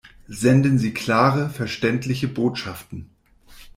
Senden Sie klare, verständliche Botschaften!